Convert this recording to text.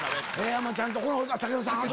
山ちゃんと武田さん。